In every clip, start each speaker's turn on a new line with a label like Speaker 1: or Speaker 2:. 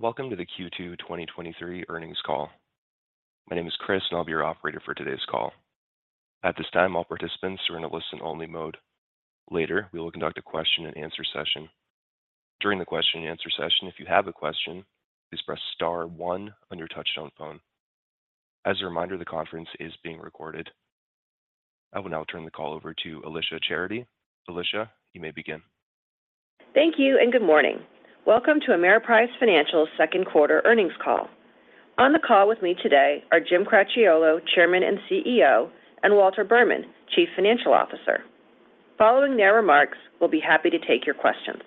Speaker 1: Welcome to the Q2 2023 earnings call. My name is Chris, and I'll be your operator for today's call. At this time, all participants are in a listen-only mode. Later, we will conduct a question-and-answer session. During the question-and-answer session, if you have a question, please press star one on your touchtone phone. As a reminder, the conference is being recorded. I will now turn the call over to Alicia Charity. Alicia, you may begin.
Speaker 2: Thank you, and good morning. Welcome to Ameriprise Financial's second quarter earnings call. On the call with me today are Jim Cracchiolo, Chairman and CEO, and Walter Berman, Chief Financial Officer. Following their remarks, we'll be happy to take your questions.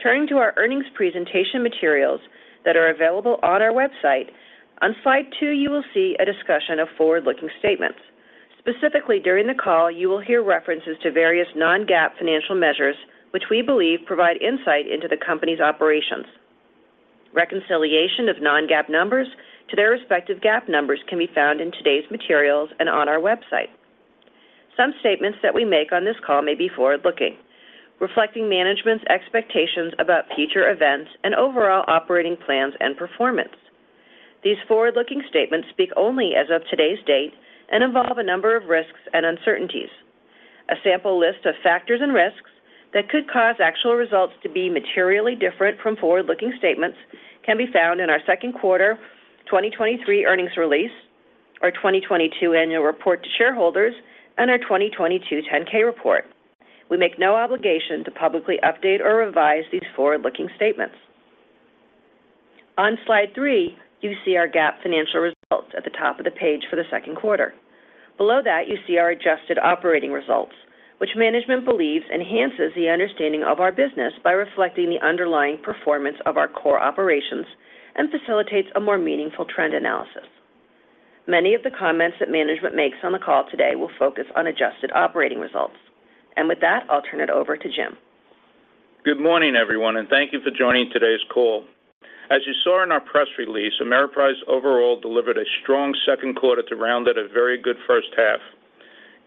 Speaker 2: Turning to our earnings presentation materials that are available on our website, on slide two, you will see a discussion of forward-looking statements. Specifically, during the call, you will hear references to various non-GAAP financial measures, which we believe provide insight into the company's operations. Reconciliation of non-GAAP numbers to their respective GAAP numbers can be found in today's materials and on our website. Some statements that we make on this call may be forward-looking, reflecting management's expectations about future events and overall operating plans and performance. These forward-looking statements speak only as of today's date and involve a number of risks and uncertainties. A sample list of factors and risks that could cause actual results to be materially different from forward-looking statements can be found in our second quarter 2023 earnings release, our 2022 annual report to shareholders, and our 2022 10-K report. We make no obligation to publicly update or revise these forward-looking statements. On slide 3, you see our GAAP financial results at the top of the page for the second quarter. Below that, you see our adjusted operating results, which management believes enhances the understanding of our business by reflecting the underlying performance of our core operations and facilitates a more meaningful trend analysis. Many of the comments that management makes on the call today will focus on adjusted operating results. With that, I'll turn it over to Jim.
Speaker 3: Good morning, everyone. Thank you for joining today's call. As you saw in our press release, Ameriprise overall delivered a strong second quarter to round out a very good first half.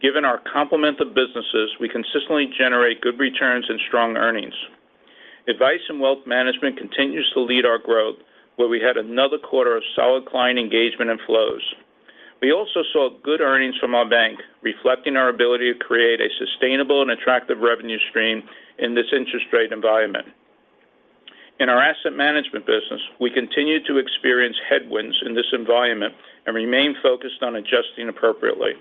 Speaker 3: Given our complement of businesses, we consistently generate good returns and strong earnings. Advice & Wealth Management continues to lead our growth, where we had another quarter of solid client engagement and flows. We also saw good earnings from our bank, reflecting our ability to create a sustainable and attractive revenue stream in this interest rate environment. In our asset management business, we continue to experience headwinds in this environment and remain focused on adjusting appropriately.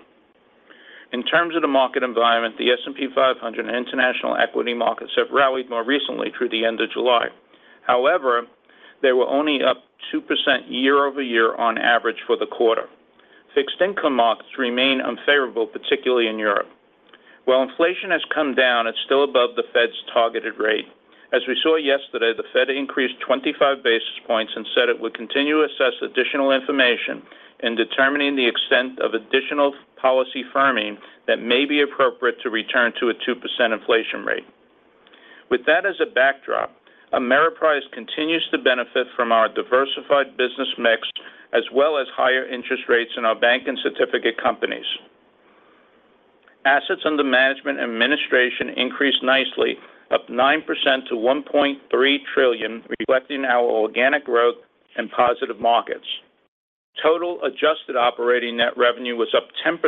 Speaker 3: In terms of the market environment, the S&P 500 and international equity markets have rallied more recently through the end of July. They were only up 2% year-over-year on average for the quarter. Fixed income markets remain unfavorable, particularly in Europe. While inflation has come down, it's still above the Fed's targeted rate. As we saw yesterday, the Fed increased 25 basis points and said it would continue to assess additional information in determining the extent of additional policy firming that may be appropriate to return to a 2% inflation rate. With that as a backdrop, Ameriprise continues to benefit from our diversified business mix, as well as higher interest rates in our bank and certificate companies. Assets under management and administration increased nicely, up 9% to $1.3 trillion, reflecting our organic growth in positive markets. Total adjusted operating net revenue was up 10%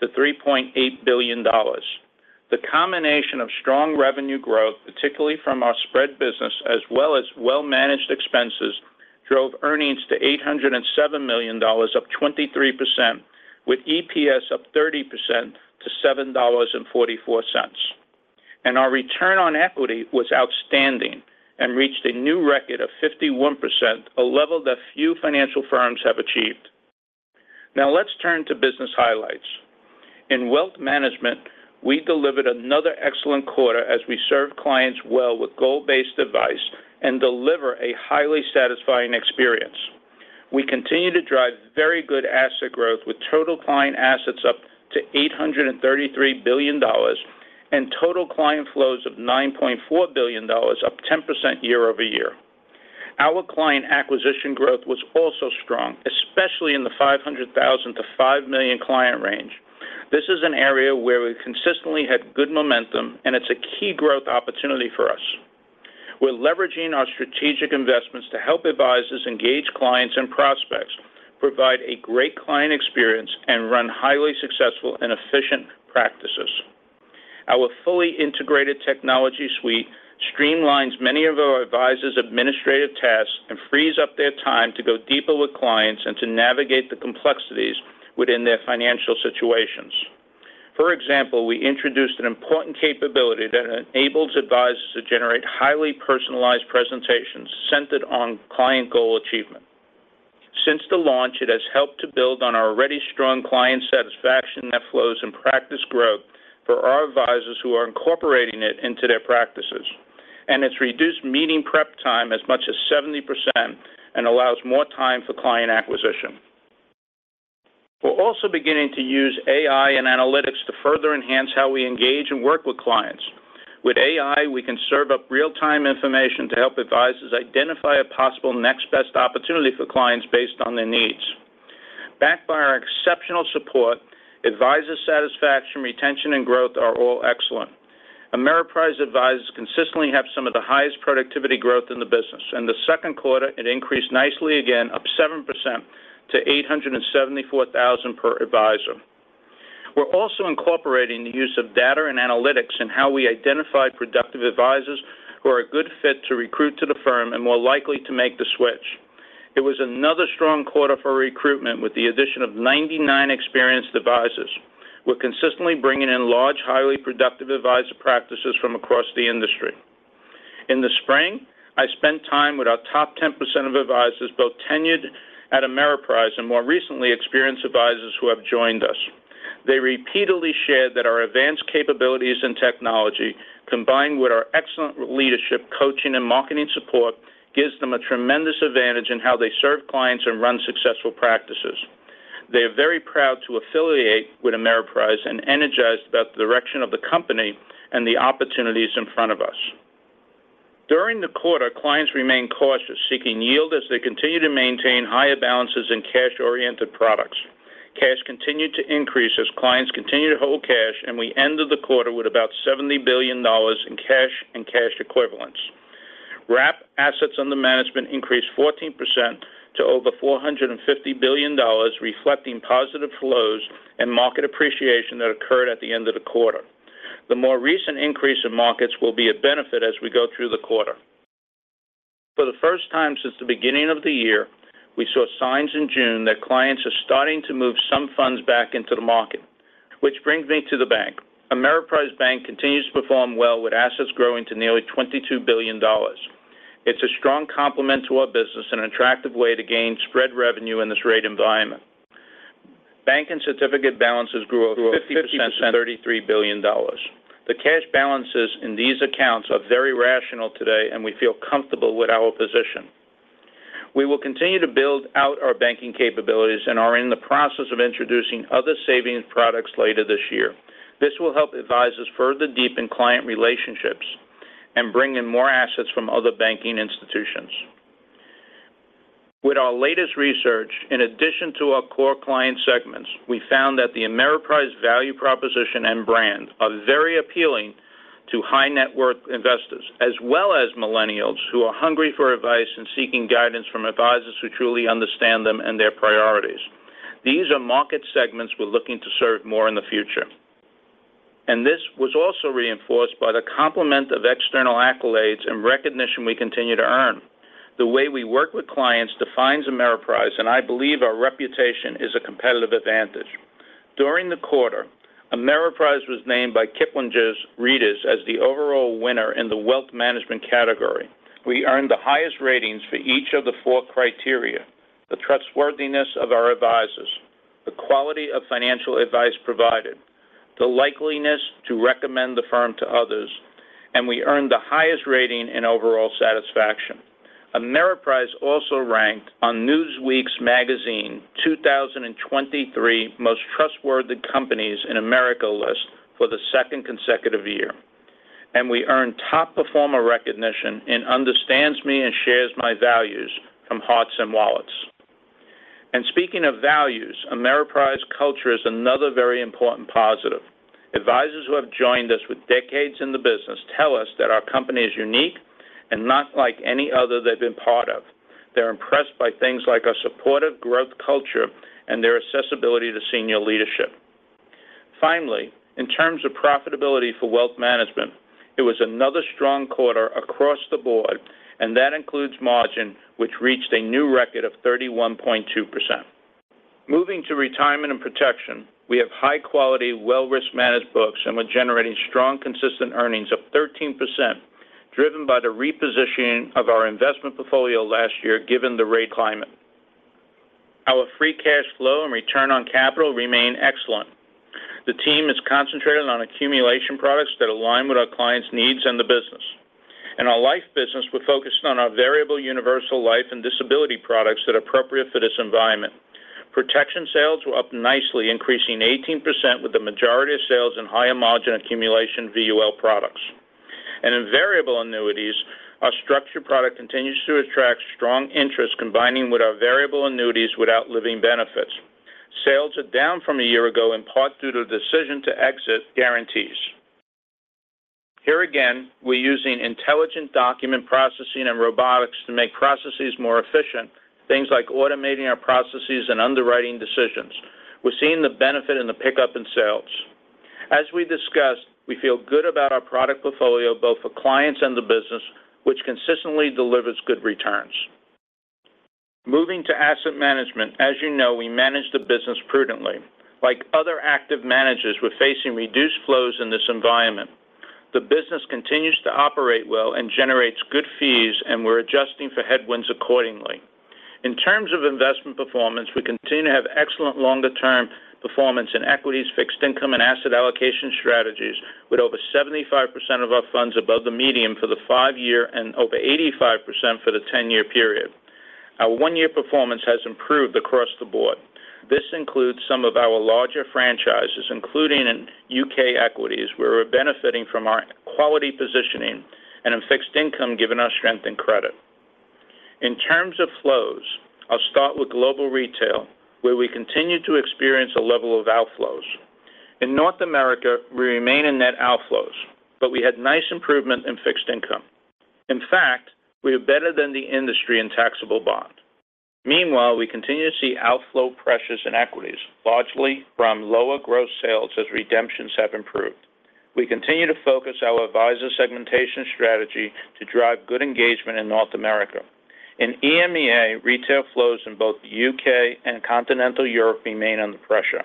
Speaker 3: to $3.8 billion. The combination of strong revenue growth, particularly from our spread business, as well as well-managed expenses, drove earnings to $807 million, up 23%, with EPS up 30% to $7.44. Our return on equity was outstanding and reached a new record of 51%, a level that few financial firms have achieved. Now let's turn to business highlights. In wealth management, we delivered another excellent quarter as we served clients well with goal-based advice and deliver a highly satisfying experience. We continue to drive very good asset growth with total client assets up to $833 billion and total client flows of $9.4 billion, up 10% year-over-year. Our client acquisition growth was also strong, especially in the 500,000-5 million client range. This is an area where we've consistently had good momentum. It's a key growth opportunity for us. We're leveraging our strategic investments to help advisors engage clients and prospects, provide a great client experience, and run highly successful and efficient practices. Our fully integrated technology suite streamlines many of our advisors' administrative tasks and frees up their time to go deeper with clients and to navigate the complexities within their financial situations. For example, we introduced an important capability that enables advisors to generate highly personalized presentations centered on client goal achievement. Since the launch, it has helped to build on our already strong client satisfaction net flows and practice growth for our advisors who are incorporating it into their practices. It's reduced meeting prep time as much as 70% and allows more time for client acquisition. We're also beginning to use AI and analytics to further enhance how we engage and work with clients. With AI, we can serve up real-time information to help advisors identify a possible next best opportunity for clients based on their needs.... backed by our exceptional support, advisor satisfaction, retention, and growth are all excellent. Ameriprise advisors consistently have some of the highest productivity growth in the business. In the second quarter, it increased nicely again, up 7% to $874,000 per advisor. We're also incorporating the use of data and analytics in how we identify productive advisors who are a good fit to recruit to the firm and more likely to make the switch. It was another strong quarter for recruitment, with the addition of 99 experienced advisors. We're consistently bringing in large, highly productive advisor practices from across the industry. In the spring, I spent time with our top 10% of advisors, both tenured at Ameriprise and more recently, experienced advisors who have joined us. They repeatedly shared that our advanced capabilities and technology, combined with our excellent leadership, coaching, and marketing support, gives them a tremendous advantage in how they serve clients and run successful practices. They are very proud to affiliate with Ameriprise and energized about the direction of the company and the opportunities in front of us. During the quarter, clients remained cautious, seeking yield as they continue to maintain higher balances in cash-oriented products. Cash continued to increase as clients continued to hold cash, and we ended the quarter with about $70 billion in cash and cash equivalents. Wrap assets under management increased 14% to over $450 billion, reflecting positive flows and market appreciation that occurred at the end of the quarter. The more recent increase in markets will be a benefit as we go through the quarter. For the first time since the beginning of the year, we saw signs in June that clients are starting to move some funds back into the market, which brings me to the bank. Ameriprise Bank continues to perform well, with assets growing to nearly $22 billion. It's a strong complement to our business and an attractive way to gain spread revenue in this rate environment. Bank and certificate balances grew over 50% to $33 billion. The cash balances in these accounts are very rational today, and we feel comfortable with our position. We will continue to build out our banking capabilities and are in the process of introducing other savings products later this year. This will help advisors further deepen client relationships and bring in more assets from other banking institutions. With our latest research, in addition to our core client segments, we found that the Ameriprise value proposition and brand are very appealing to high-net-worth investors, as well as millennials who are hungry for advice and seeking guidance from advisors who truly understand them and their priorities. These are market segments we're looking to serve more in the future. This was also reinforced by the complement of external accolades and recognition we continue to earn. The way we work with clients defines Ameriprise, and I believe our reputation is a competitive advantage. During the quarter, Ameriprise was named by Kiplinger's readers as the overall winner in the wealth management category. We earned the highest ratings for each of the four criteria: the trustworthiness of our advisors, the quality of financial advice provided, the likeliness to recommend the firm to others, and we earned the highest rating in overall satisfaction. Ameriprise also ranked on Newsweek's magazine 2023 Most Trustworthy Companies in America list for the second consecutive year. We earned top performer recognition in "Understands Me and Shares My Values" from Hearts & Wallets. Speaking of values, Ameriprise culture is another very important positive. Advisors who have joined us with decades in the business tell us that our company is unique and not like any other they've been part of. They're impressed by things like our supportive growth culture and their accessibility to senior leadership. Finally, in terms of profitability for wealth management, it was another strong quarter across the board. That includes margin, which reached a new record of 31.2%. Moving to Retirement and Protection, we have high-quality, well-risk managed books. We're generating strong, consistent earnings of 13%, driven by the repositioning of our investment portfolio last year, given the rate climate. Our free cash flow and return on capital remain excellent. The team is concentrated on accumulation products that align with our clients' needs and the business. In our life business, we're focused on our variable universal life and disability products that are appropriate for this environment. Protection sales were up nicely, increasing 18%, with the majority of sales in higher-margin accumulation VUL products. In variable annuities, our structured product continues to attract strong interest, combining with our variable annuities without living benefits. Sales are down from a year ago, in part due to the decision to exit guarantees. Here again, we're using intelligent document processing and robotics to make processes more efficient, things like automating our processes and underwriting decisions. We're seeing the benefit in the pickup in sales. As we discussed, we feel good about our product portfolio, both for clients and the business, which consistently delivers good returns. Asset management, as you know, we manage the business prudently. Like other active managers, we're facing reduced flows in this environment. The business continues to operate well and generates good fees. We're adjusting for headwinds accordingly. In terms of investment performance, we continue to have excellent longer-term performance in equities, fixed income, and asset allocation strategies, with over 75% of our funds above the median for the 5-year and over 85% for the 10-year period. Our one-year performance has improved across the board. This includes some of our larger franchises, including in UK equities, where we're benefiting from our quality positioning. In fixed income, given our strength in credit. In terms of flows, I'll start with global retail, where we continue to experience a level of outflows. In North America, we remain in net outflows, we had nice improvement in fixed income. In fact, we are better than the industry in taxable bond. Meanwhile, we continue to see outflow pressures in equities, largely from lower gross sales as redemptions have improved. We continue to focus our advisor segmentation strategy to drive good engagement in North America. In EMEA, retail flows in both the UK and continental Europe remain under pressure.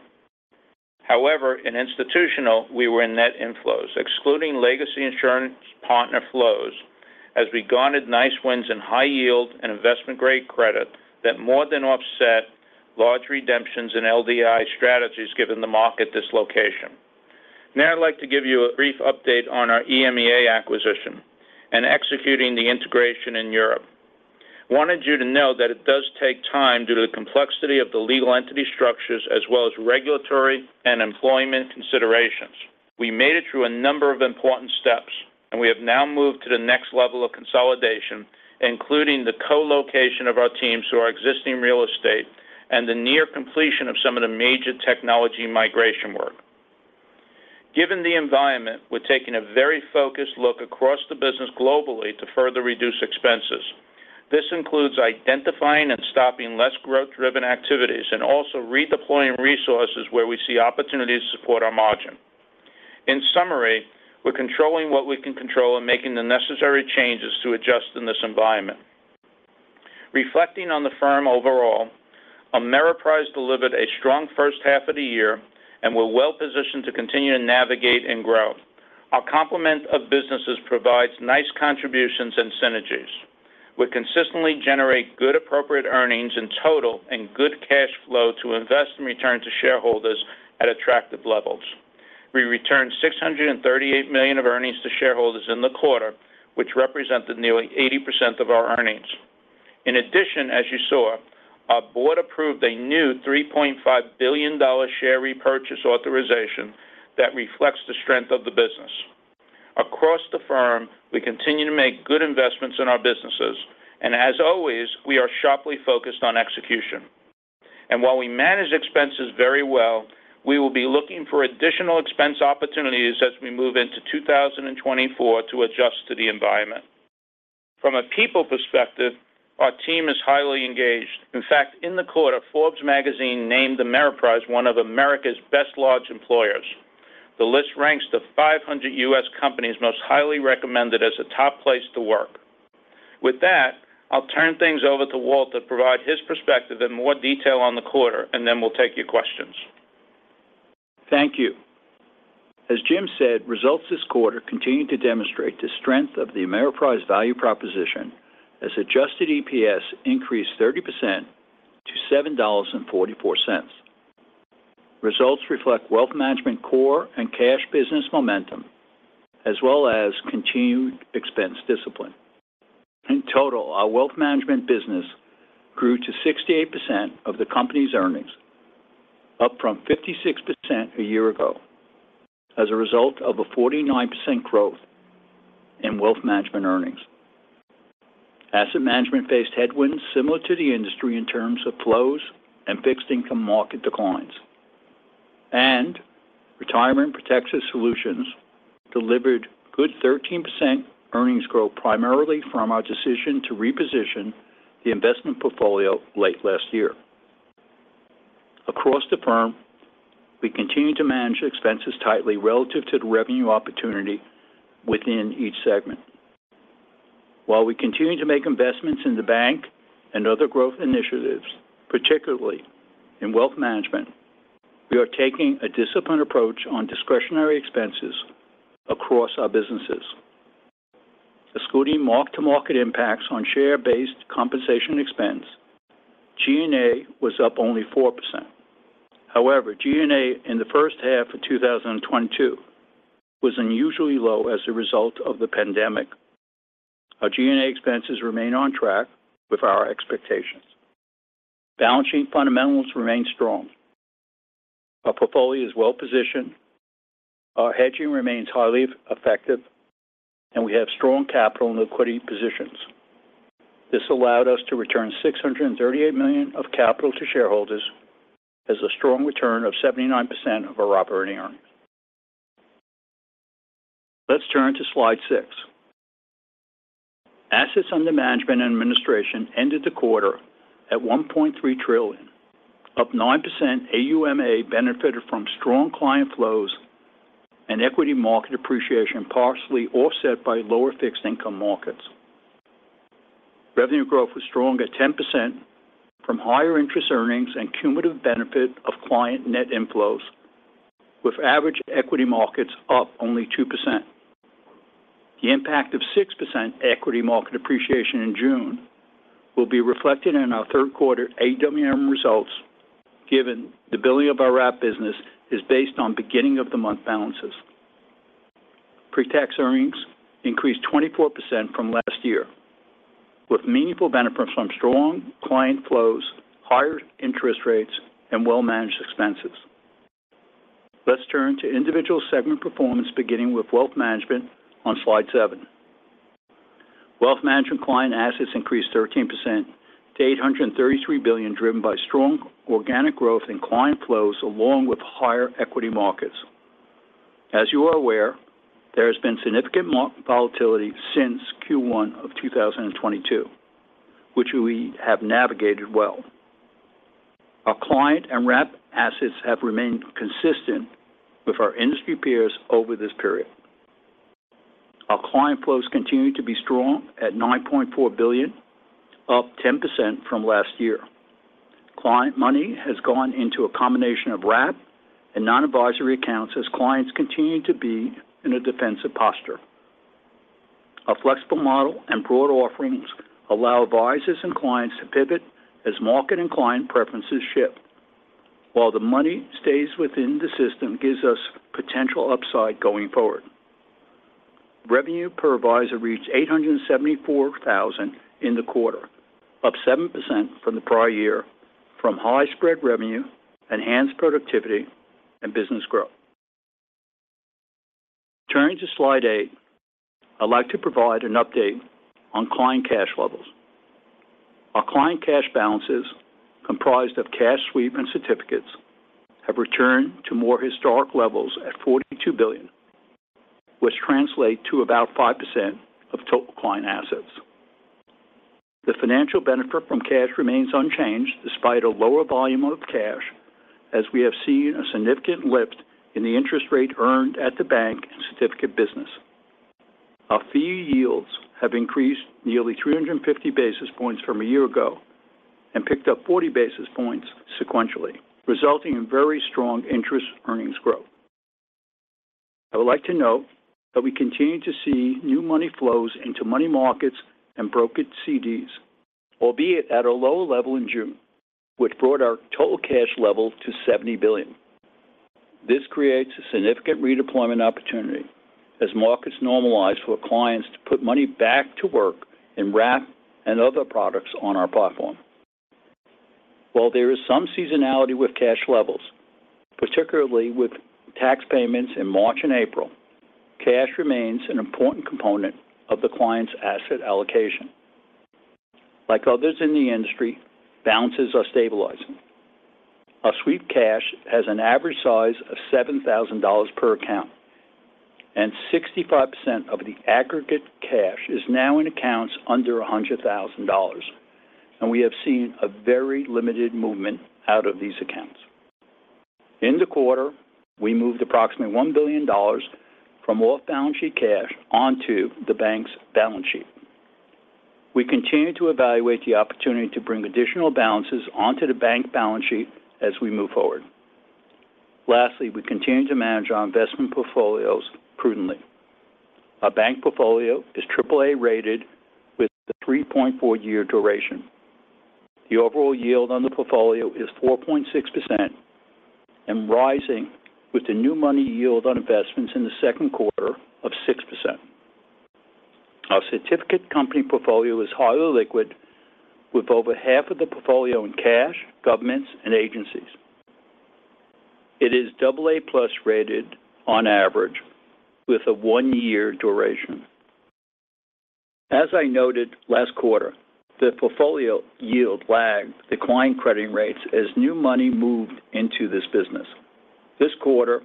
Speaker 3: In institutional, we were in net inflows, excluding legacy insurance partner flows, as we garnered nice wins in high yield and investment-grade credit that more than offset large redemptions in LDI strategies, given the market dislocation. I'd like to give you a brief update on our EMEA acquisition and executing the integration in Europe. I wanted you to know that it does take time due to the complexity of the legal entity structures as well as regulatory and employment considerations. We made it through a number of important steps, and we have now moved to the next level of consolidation, including the co-location of our teams to our existing real estate and the near completion of some of the major technology migration work. Given the environment, we're taking a very focused look across the business globally to further reduce expenses. This includes identifying and stopping less growth-driven activities and also redeploying resources where we see opportunities to support our margin. In summary, we're controlling what we can control and making the necessary changes to adjust in this environment. Reflecting on the firm overall, Ameriprise delivered a strong first half of the year and we're well positioned to continue to navigate and grow. Our complement of businesses provides nice contributions and synergies. We consistently generate good, appropriate earnings in total and good cash flow to invest and return to shareholders at attractive levels. We returned $638 million of earnings to shareholders in the quarter, which represented nearly 80% of our earnings. In addition, as you saw, our board approved a new $3.5 billion share repurchase authorization that reflects the strength of the business. Across the firm, we continue to make good investments in our businesses, as always, we are sharply focused on execution. While we manage expenses very well, we will be looking for additional expense opportunities as we move into 2024 to adjust to the environment. From a people perspective, our team is highly engaged. In fact, in the quarter, Forbes magazine named Ameriprise one of America's best large employers. The list ranks the 500 U.S. companies most highly recommended as a top place to work. With that, I'll turn things over to Walt to provide his perspective in more detail on the quarter, then we'll take your questions.
Speaker 4: Thank you. As Jim said, results this quarter continued to demonstrate the strength of the Ameriprise value proposition, as adjusted EPS increased 30% to $7.44. Results reflect wealth management, core, and cash business momentum, as well as continued expense discipline. In total, our wealth management business grew to 68% of the company's earnings, up from 56% a year ago, as a result of a 49% growth in wealth management earnings. Asset Management faced headwinds similar to the industry in terms of flows and fixed income market declines. Retirement & Protection Solutions delivered good 13% earnings growth, primarily from our decision to reposition the investment portfolio late last year. Across the firm, we continue to manage expenses tightly relative to the revenue opportunity within each segment. While we continue to make investments in the bank and other growth initiatives, particularly in wealth management, we are taking a disciplined approach on discretionary expenses across our businesses. Excluding mark-to-market impacts on share-based compensation expense, G&A was up only 4%. G&A in the first half of 2022 was unusually low as a result of the pandemic. Our G&A expenses remain on track with our expectations. Balance sheet fundamentals remain strong. Our portfolio is well-positioned, our hedging remains highly effective, and we have strong capital and liquidity positions. This allowed us to return $638 million of capital to shareholders as a strong return of 79% of our operating earnings. Let's turn to slide 6. Assets under management and administration ended the quarter at $1.3 trillion, up 9%. AUMA benefited from strong client flows and equity market appreciation, partially offset by lower fixed income markets. Revenue growth was strong at 10% from higher interest earnings and cumulative benefit of client net inflows, with average equity markets up only 2%. The impact of 6% equity market appreciation in June will be reflected in our third quarter AUM results, given the billing of our wrap business is based on beginning-of-the-month balances. Pre-tax earnings increased 24% from last year, with meaningful benefits from strong client flows, higher interest rates, and well-managed expenses. Let's turn to individual segment performance, beginning with Wealth Management on slide 7. Wealth Management client assets increased 13% to $833 billion, driven by strong organic growth in client flows, along with higher equity markets. As you are aware, there has been significant volatility since Q1 2022, which we have navigated well. Our client and wrap assets have remained consistent with our industry peers over this period. Our client flows continue to be strong at $9.4 billion, up 10% from last year. Client money has gone into a combination of wrap and non-advisory accounts as clients continue to be in a defensive posture. Our flexible model and broad offerings allow advisors and clients to pivot as market and client preferences shift. The money stays within the system, gives us potential upside going forward. Revenue per advisor reached $874,000 in the quarter, up 7% from the prior year, from high spread revenue, enhanced productivity, and business growth. Turning to slide 8, I'd like to provide an update on client cash levels. Our client cash balances, comprised of cash sweep and certificates, have returned to more historic levels at $42 billion, which translate to about 5% of total client assets. The financial benefit from cash remains unchanged, despite a lower volume of cash, as we have seen a significant lift in the interest rate earned at the bank and certificate business. Our fee yields have increased nearly 350 basis points from a year ago and picked up 40 basis points sequentially, resulting in very strong interest earnings growth. I would like to note that we continue to see new money flows into money markets and brokered CDs, albeit at a lower level in June, which brought our total cash level to $70 billion. This creates a significant redeployment opportunity as markets normalize for clients to put money back to work in wrap and other products on our platform. While there is some seasonality with cash levels, particularly with tax payments in March and April, cash remains an important component of the client's asset allocation. Like others in the industry, balances are stabilizing. Our sweep cash has an average size of $7,000 per account, and 65% of the aggregate cash is now in accounts under $100,000, and we have seen a very limited movement out of these accounts. In the quarter, we moved approximately $1 billion from off-balance sheet cash onto the bank's balance sheet. We continue to evaluate the opportunity to bring additional balances onto the bank balance sheet as we move forward. Lastly, we continue to manage our investment portfolios prudently. Our bank portfolio is AAA rated with a 3.4-year duration. The overall yield on the portfolio is 4.6% and rising, with the new money yield on investments in the second quarter of 6%. Our certificate company portfolio is highly liquid, with over half of the portfolio in cash, governments, and agencies. It is AA+ rated on average with a 1-year duration. As I noted last quarter, the portfolio yield lagged the client crediting rates as new money moved into this business. This quarter,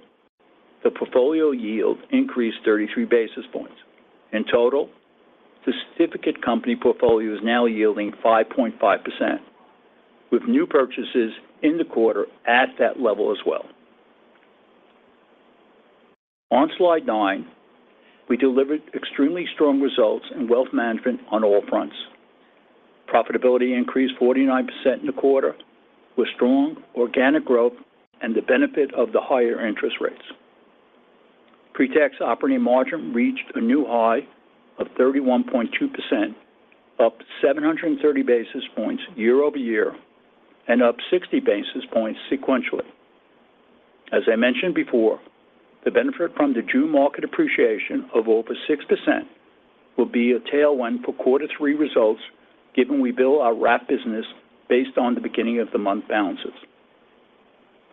Speaker 4: the portfolio yield increased 33 basis points. In total, the certificate company portfolio is now yielding 5.5%, with new purchases in the quarter at that level as well. On slide 9, we delivered extremely strong results in wealth management on all fronts. Profitability increased 49% in the quarter, with strong organic growth and the benefit of the higher interest rates. Pre-tax operating margin reached a new high of 31.2%, up 730 basis points year-over-year, and up 60 basis points sequentially. As I mentioned before, the benefit from the June market appreciation of over 6% will be a tailwind for quarter three results, given we bill our wrap business based on the beginning of the month balances.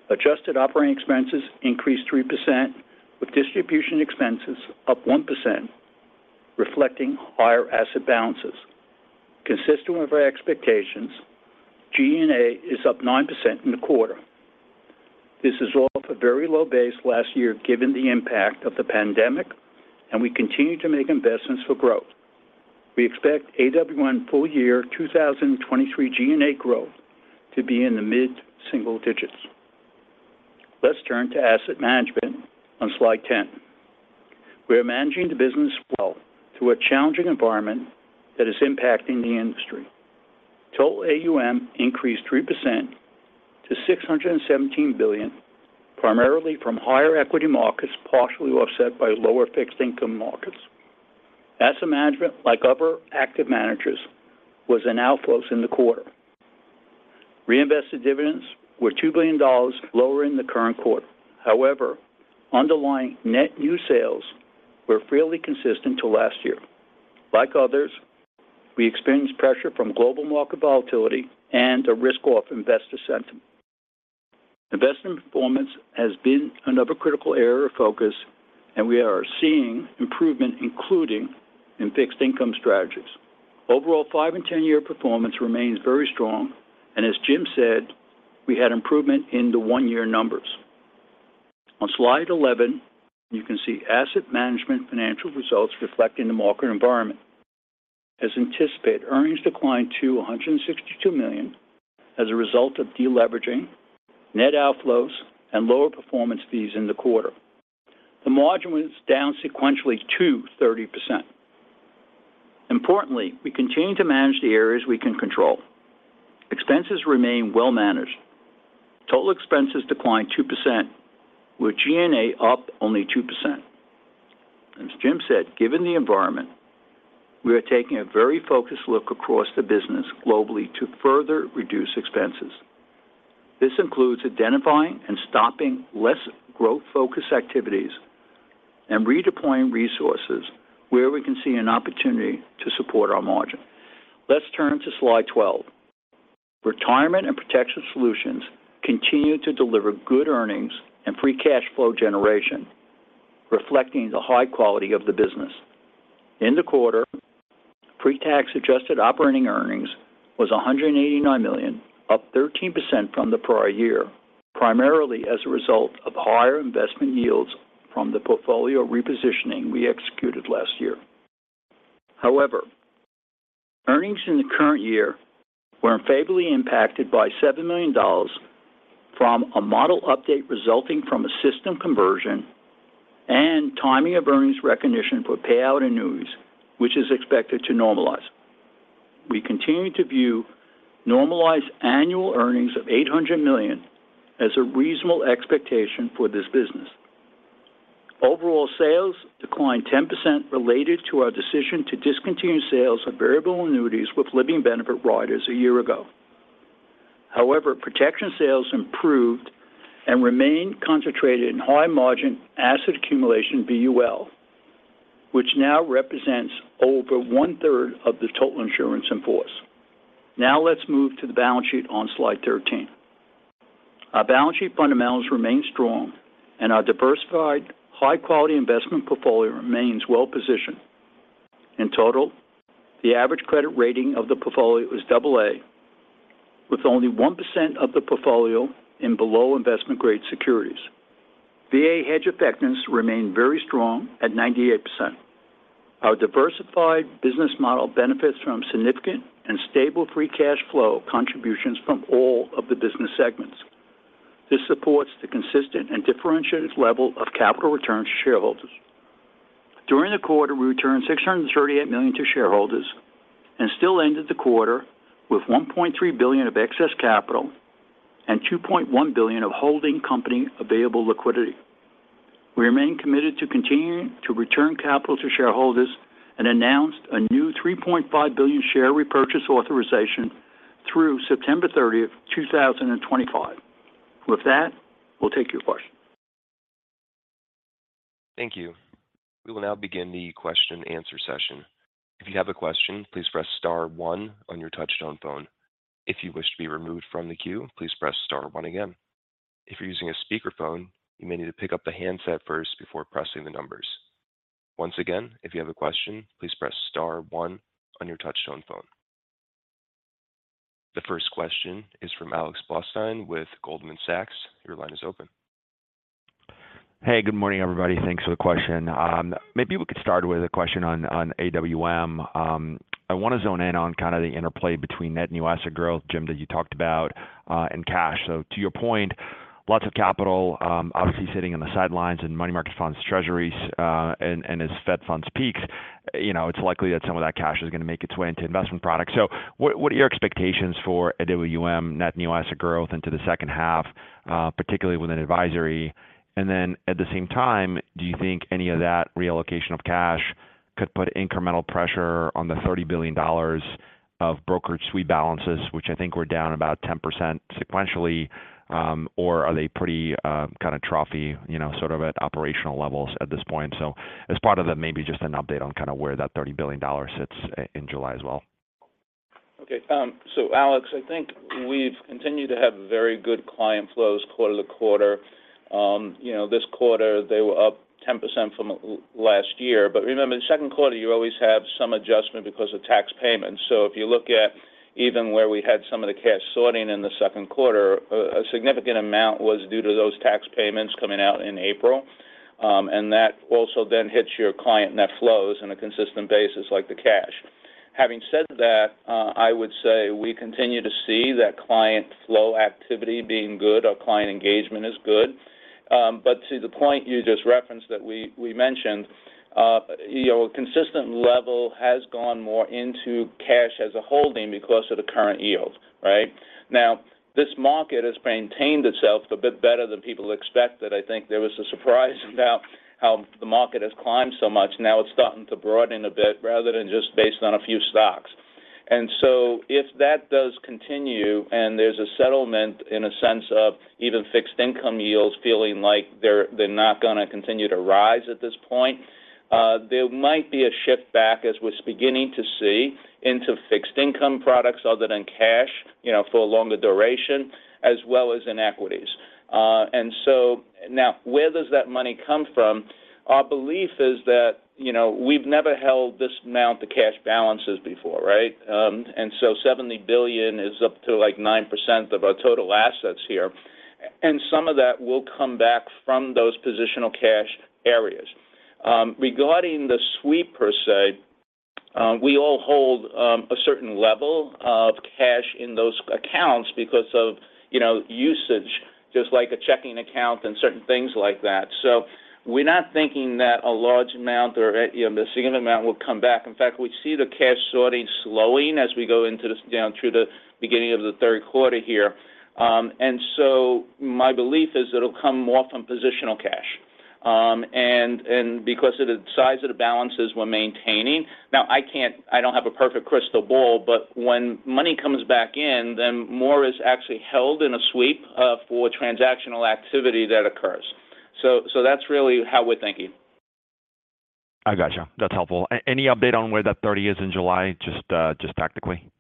Speaker 4: Adjusted operating expenses increased 3%, with distribution expenses up 1%, reflecting higher asset balances. Consistent with our expectations, G&A is up 9% in the quarter. This is off a very low base last year, given the impact of the pandemic, and we continue to make investments for growth. We expect AWM full year 2023 G&A growth to be in the mid-single digits. Let's turn to asset management on slide 10. We are managing the business well through a challenging environment that is impacting the industry. Total AUM increased 3% to $617 billion, primarily from higher equity markets, partially offset by lower fixed income markets. Asset management, like other active managers, was in outflows in the quarter. Reinvested dividends were $2 billion lower in the current quarter. Underlying net new sales were fairly consistent to last year. Like others, We experienced pressure from global market volatility and a risk-off investor sentiment. Investment performance has been another critical area of focus, and we are seeing improvement, including in fixed income strategies. Overall, 5 and 10-year performance remains very strong, and as Jim said, we had improvement in the 1-year numbers. On slide 11, you can see asset management financial results reflecting the market environment. As anticipated, earnings declined to $162 million as a result of deleveraging, net outflows, and lower performance fees in the quarter. The margin was down sequentially to 30%. Importantly, we continue to manage the areas we can control. Expenses remain well managed. Total expenses declined 2%, with G&A up only 2%. As Jim said, given the environment, we are taking a very focused look across the business globally to further reduce expenses. This includes identifying and stopping less growth-focused activities and redeploying resources where we can see an opportunity to support our margin. Let's turn to slide 12. Retirement & Protection Solutions continued to deliver good earnings and free cash flow generation, reflecting the high quality of the business. In the quarter, pre-tax adjusted operating earnings was $189 million, up 13% from the prior year, primarily as a result of higher investment yields from the portfolio repositioning we executed last year. Earnings in the current year were unfavorably impacted by $7 million from a model update resulting from a system conversion and timing of earnings recognition for payout annuities, which is expected to normalize. We continue to view normalized annual earnings of $800 million as a reasonable expectation for this business. Overall sales declined 10% related to our decision to discontinue sales of variable annuities with living benefit riders a year ago. Protection sales improved and remained concentrated in high-margin asset accumulation VUL, which now represents over one-third of the total insurance in force. Let's move to the balance sheet on slide 13. Our balance sheet fundamentals remain strong and our diversified, high-quality investment portfolio remains well positioned. In total, the average credit rating of the portfolio is AA, with only 1% of the portfolio in below investment-grade securities. VA hedge effectiveness remained very strong at 98%. Our diversified business model benefits from significant and stable free cash flow contributions from all of the business segments. This supports the consistent and differentiated level of capital return to shareholders. During the quarter, we returned $638 million to shareholders and still ended the quarter with $1.3 billion of excess capital and $2.1 billion of holding company available liquidity. We remain committed to continuing to return capital to shareholders and announced a new $3.5 billion share repurchase authorization through September 30, 2025. With that, we'll take your questions.
Speaker 1: Thank you. We will now begin the question and answer session. If you have a question, please press star one on your touchtone phone. If you wish to be removed from the queue, please press star one again. If you're using a speakerphone, you may need to pick up the handset first before pressing the numbers. Once again, if you have a question, please press star one on your touchtone phone. The first question is from Alex Blostein with Goldman Sachs. Your line is open.
Speaker 5: Hey, good morning, everybody. Thanks for the question. Maybe we could start with a question on AWM. I want to zone in on kind of the interplay between net new asset growth, Jim, that you talked about, and cash. To your point, lots of capital, obviously sitting on the sidelines in money market funds, treasuries, and as Fed Funds peaks, you know, it's likely that some of that cash is going to make its way into investment products. What are your expectations for AWM net new asset growth into the second half, particularly within advisory? At the same time, do you think any of that reallocation of cash could put incremental pressure on the $30 billion of brokerage sweep balances, which I think were down about 10% sequentially, or are they pretty, kind of trophy, you know, sort of at operational levels at this point? As part of that, maybe just an update on kind of where that $30 billion sits in July as well.
Speaker 4: Okay. Alex, I think we've continued to have very good client flows quarter to quarter. You know, this quarter, they were up 10% from last year, but remember, in the second quarter, you always have some adjustment because of tax payments. If you look at even where we had some of the cash sorting in the second quarter, a significant amount was due to those tax payments coming out in April, and that also then hits your client net flows on a consistent basis, like the cash. Having said that, I would say we continue to see that client flow activity being good. Our client engagement is good. To the point you just referenced that we mentioned, you know, a consistent level has gone more into cash as a holding because of the current yield, right? This market has maintained itself a bit better than people expected. I think there was a surprise about how the market has climbed so much. It's starting to broaden a bit rather than just based on a few stocks.
Speaker 3: If that does continue, and there's a settlement in a sense of even fixed income yields feeling like they're not gonna continue to rise at this point, there might be a shift back, as we're beginning to see, into fixed income products other than cash, you know, for a longer duration, as well as in equities. Now, where does that money come from? Our belief is that, you know, we've never held this amount of cash balances before, right? Seventy billion is up to, like, 9% of our total assets here, and some of that will come back from those positional cash areas. Regarding the sweep per se, we all hold a certain level of cash in those accounts because of, you know, usage, just like a checking account and certain things like that. We're not thinking that a large amount or, you know, a significant amount will come back. In fact, we see the cash sorting slowing as we go down through the beginning of the third quarter here. My belief is it'll come more from positional cash and because of the size of the balances we're maintaining. Now, I don't have a perfect crystal ball, but when money comes back in, then more is actually held in a sweep for transactional activity that occurs. That's really how we're thinking.
Speaker 5: I gotcha. That's helpful. Any update on where that 30 is in July, just tactically?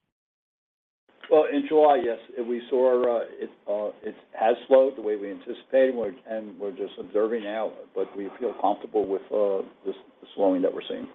Speaker 3: Well, in July, yes, we saw it has slowed the way we anticipated. We're just observing now. We feel comfortable with the slowing that we're seeing.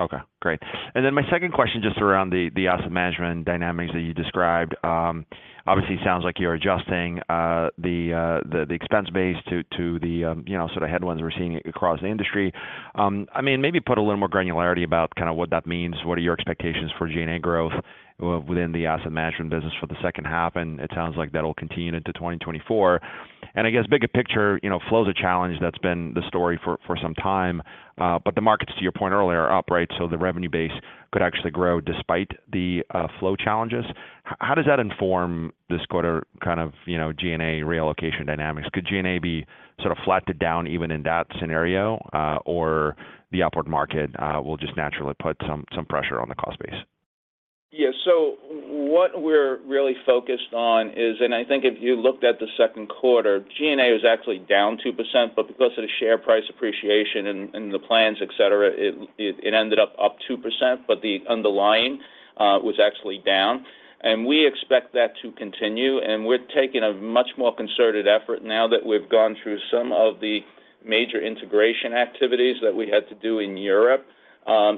Speaker 5: Okay, great. My second question, just around the asset management dynamics that you described. Obviously, it sounds like you're adjusting the expense base to the, you know, sort of headwinds we're seeing across the industry. I mean, maybe put a little more granularity about kind of what that means. What are your expectations for G&A growth within the asset management business for the second half? It sounds like that'll continue into 2024. I guess bigger picture, you know, flow's a challenge, that's been the story for some time. But the markets, to your point earlier, are up, right? The revenue base could actually grow despite the flow challenges. How does that inform this quarter, kind of, you know, G&A reallocation dynamics? Could G&A be sort of flattened down even in that scenario, or the upward market will just naturally put some pressure on the cost base?
Speaker 3: What we're really focused on is I think if you looked at the second quarter, G&A was actually down 2%, but because of the share price appreciation and the plans, et cetera, it ended up 2%, but the underlying was actually down. We expect that to continue. We're taking a much more concerted effort now that we've gone through some of the major integration activities that we had to do in Europe.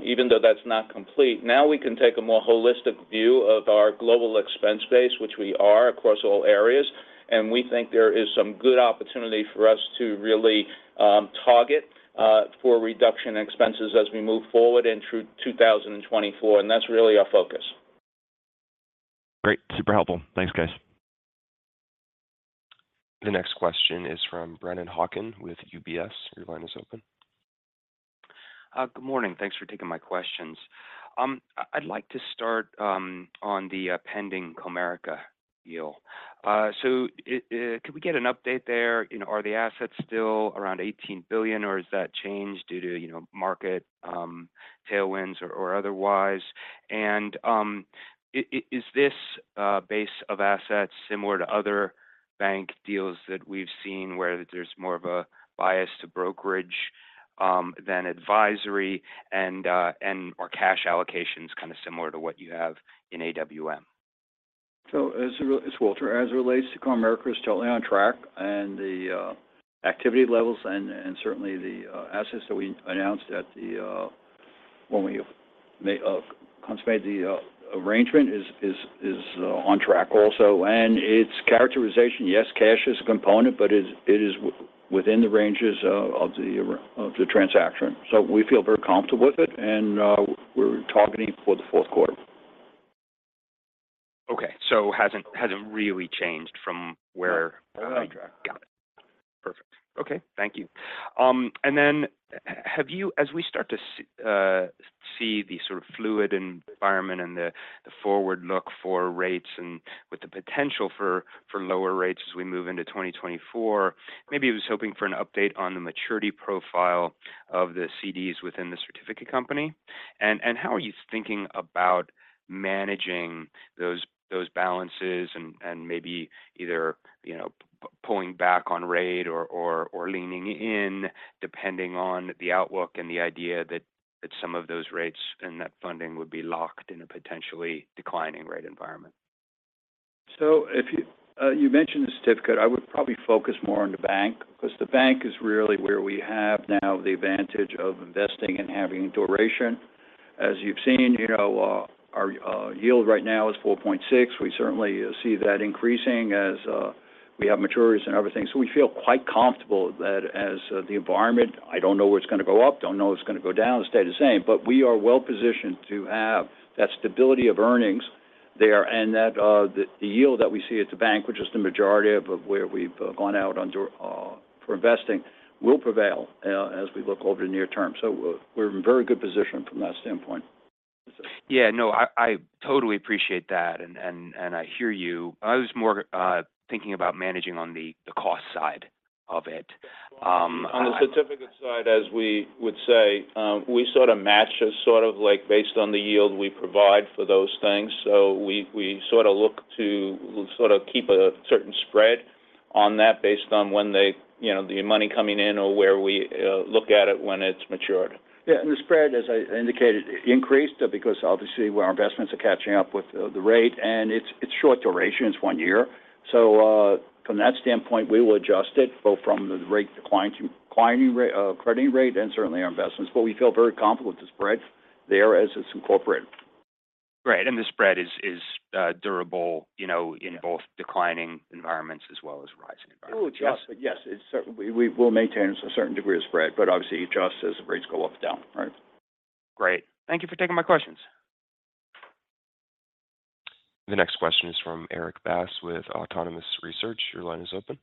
Speaker 3: Even though that's not complete, now we can take a more holistic view of our global expense base, which we are across all areas, and we think there is some good opportunity for us to really target for reduction in expenses as we move forward in through 2024, and that's really our focus.
Speaker 5: Great. Super helpful. Thanks, guys.
Speaker 1: The next question is from Brennan Hawken with UBS. Your line is open.
Speaker 6: Good morning. Thanks for taking my questions. I'd like to start on the pending Comerica deal. Can we get an update there? You know, are the assets still around $18 billion, or has that changed due to, you know, market tailwinds or otherwise? Is this base of assets similar to other bank deals that we've seen, where there's more of a bias to brokerage than advisory, and or cash allocations kind of similar to what you have in AWM?
Speaker 4: As Walter, as it relates to Comerica, is totally on track, and the activity levels and certainly the assets that we announced at the when we consummate the arrangement is on track also. Its characterization, yes, cash is a component, but it's within the ranges of the transaction. We feel very comfortable with it, and we're targeting for the fourth quarter.
Speaker 6: Okay. hasn't really changed from where.
Speaker 4: On track.
Speaker 6: Got it. Perfect. Okay, thank you. Have you as we start to see the sort of fluid environment and the forward look for rates and with the potential for lower rates as we move into 2024, maybe I was hoping for an update on the maturity profile of the CDs within the certificate company. How are you thinking about managing those balances and maybe either, you know, pulling back on rate or leaning in, depending on the outlook and the idea that some of those rates and that funding would be locked in a potentially declining rate environment?
Speaker 4: If you mentioned the certificate, I would probably focus more on the bank, because the bank is really where we have now the advantage of investing and having duration. As you've seen, our yield right now is 4.6. We certainly see that increasing as we have maturities and everything. We feel quite comfortable that as the environment, I don't know if it's gonna go up, don't know if it's gonna go down or stay the same, but we are well positioned to have that stability of earnings there. That the yield that we see at the bank, which is the majority of where we've gone out under for investing, will prevail as we look over the near term. We're in very good position from that standpoint.
Speaker 6: Yeah. No, I, I totally appreciate that, and I hear you. I was more thinking about managing on the cost side of it.
Speaker 3: On the certificate side, as we would say, we sort of match as sort of like based on the yield we provide for those things. We sort of look to sort of keep a certain spread on that based on when they, you know, the money coming in or where we look at it when it's matured.
Speaker 4: The spread, as I indicated, increased because obviously our investments are catching up with the, the rate, it's short duration, it's 1 year. From that standpoint, we will adjust it both from the rate, the client rate, crediting rate, and certainly our investments. We feel very comfortable with the spread there as it's incorporated.
Speaker 6: Great. The spread is durable, you know, in both declining environments as well as rising environments?
Speaker 4: Oh, yes. Yes, we will maintain a certain degree of spread, but obviously adjust as the rates go up or down, right?
Speaker 6: Great. Thank you for taking my questions.
Speaker 1: The next question is from Erik Bass with Autonomous Research. Your line is open.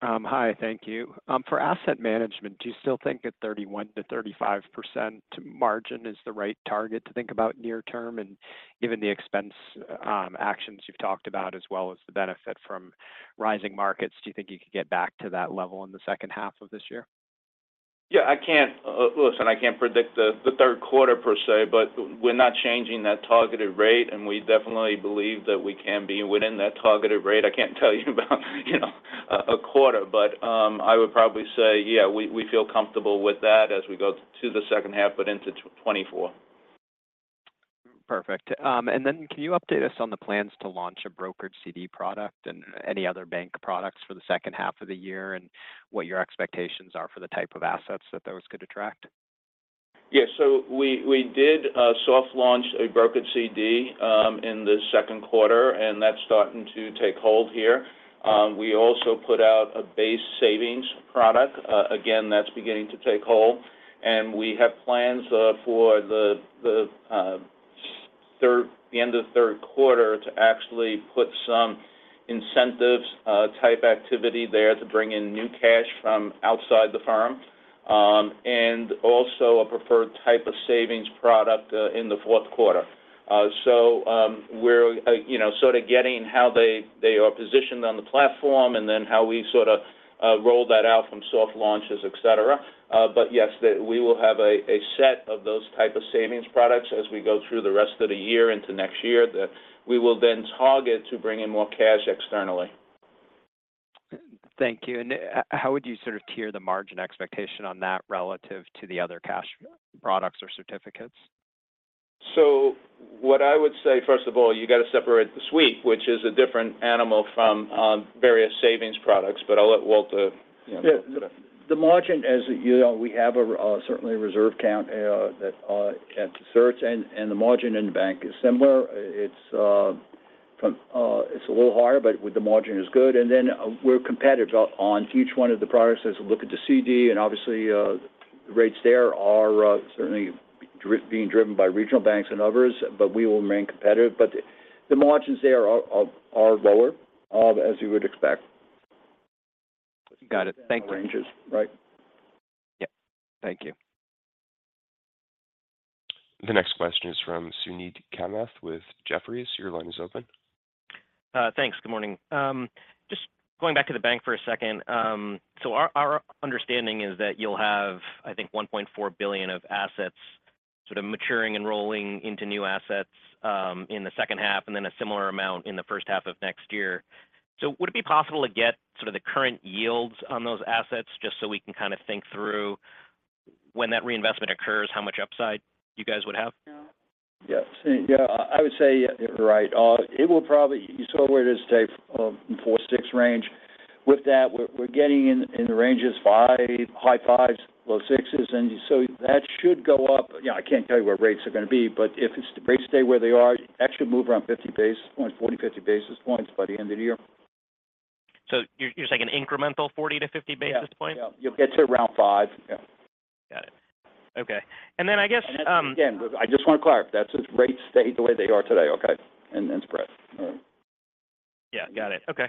Speaker 7: Hi. Thank you. For asset management, do you still think a 31%-35% margin is the right target to think about near term? Given the expense actions you've talked about, as well as the benefit from rising markets, do you think you could get back to that level in the second half of this year?
Speaker 3: I can't listen, I can't predict the third quarter per se, but we're not changing that targeted rate, and we definitely believe that we can be within that targeted rate. I can't tell you about, you know, a quarter, but I would probably say, yeah, we feel comfortable with that as we go to the second half, but into 2024.
Speaker 7: Perfect. Can you update us on the plans to launch a brokered CD product and any other bank products for the second half of the year, and what your expectations are for the type of assets that those could attract?
Speaker 3: Yeah. We did a soft launch, a brokered CD, in the second quarter. That's starting to take hold here. We also put out a base savings product. Again, that's beginning to take hold. We have plans for the end of the third quarter to actually put some incentives type activity there to bring in new cash from outside the firm. Also a preferred type of savings product in the fourth quarter. We're, you know, sort of getting how they are positioned on the platform and then how we sort of roll that out from soft launches, et cetera. Yes, we will have a set of those type of savings products as we go through the rest of the year into next year, that we will then target to bring in more cash externally.
Speaker 7: Thank you. How would you sort of tier the margin expectation on that relative to the other cash products or certificates?
Speaker 3: What I would say, first of all, you got to separate the sweep, which is a different animal from various savings products, but I'll let Walter, you know.
Speaker 4: The margin, as you know, we have a certainly a reserve account that at the search, and the margin in the bank is similar. It's from it's a little higher, with the margin is good. We're competitive on each one of the products as we look at the CD, and obviously, the rates there are certainly being driven by regional banks and others, we will remain competitive. The margins there are lower as you would expect.
Speaker 7: Got it. Thank you.
Speaker 4: Ranges. Right.
Speaker 7: Yeah. Thank you.
Speaker 1: The next question is from Suneet Kamath with Jefferies. Your line is open.
Speaker 8: Thanks. Good morning. Just going back to the bank for a second. Our understanding is that you'll have, I think, $1.4 billion of assets sort of maturing and rolling into new assets in the second half, and then a similar amount in the first half of next year. Would it be possible to get sort of the current yields on those assets, just so we can kind of think through when that reinvestment occurs, how much upside you guys would have?
Speaker 4: Yes. Yeah, I would say you're right. You saw where it is today, in 4_=6 range. With that, we're getting in the ranges 5, high 5s, low 6s, that should go up. Yeah, I can't tell you where rates are going to be, but if the rates stay where they are, that should move around 50 basis points, 40–50 basis points by the end of the year.
Speaker 8: You're saying an incremental 40–50 basis points?
Speaker 4: Yeah. Yeah. You'll get to around five. Yeah.
Speaker 8: Got it. Okay. I guess.
Speaker 4: Again, I just want to clarify, that's if rates stay the way they are today, okay? Spread.
Speaker 8: Yeah, got it. Okay.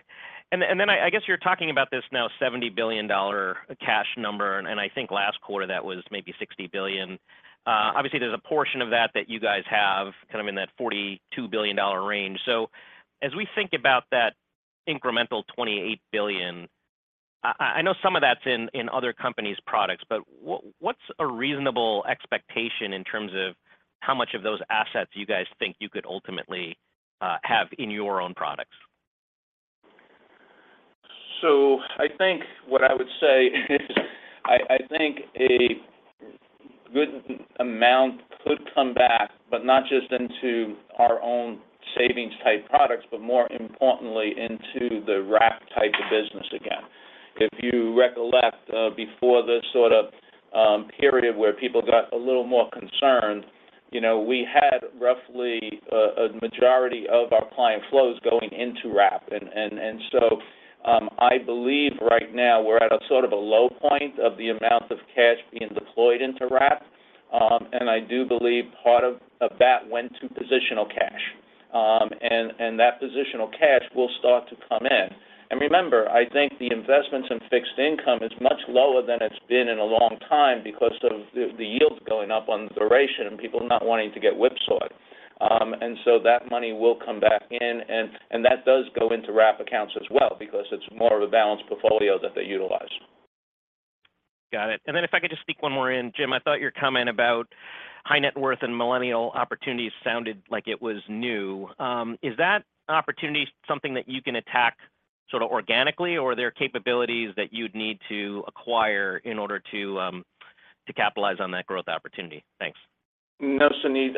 Speaker 8: Then I guess you're talking about this now $70 billion cash number, and I think last quarter that was maybe $60 billion. obviously, there's a portion of that, that you guys have kind of in that $42 billion range. As we think about that incremental $28 billion, I know some of that's in other companies' products, but what's a reasonable expectation in terms of how much of those assets you guys think you could ultimately have in your own products?
Speaker 3: I think what I would say is, I think a good amount could come back, but not just into our own savings-type products, but more importantly, into the wrap type of business again. If you recollect, before the sort of period where people got a little more concerned, you know, we had roughly a majority of our client flows going into wrap. I believe right now we're at a sort of a low point of the amount of cash being deployed into wrap, and I do believe part of that went to positional cash. That positional cash will start to come in. Remember, I think the investments in fixed income is much lower than it's been in a long time because of the yields going up on duration and people not wanting to get whipsawed. So that money will come back in, and that does go into wrap accounts as well, because it's more of a balanced portfolio that they utilize.
Speaker 8: Got it. If I could just sneak one more in. Jim, I thought your comment about high net worth and millennial opportunities sounded like it was new. Is that opportunity something that you can attack sort of organically, or are there capabilities that you'd need to acquire in order to capitalize on that growth opportunity? Thanks.
Speaker 3: No, Suneet.